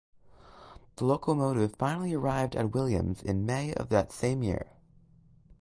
The locomotive finally arrived at Williams in May of that same year.